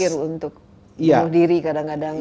mungkin pikir untuk bunuh diri kadang kadang